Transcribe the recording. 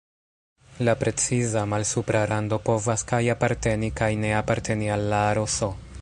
La preciza malsupra rando povas kaj aparteni kaj ne aparteni al la aro "S".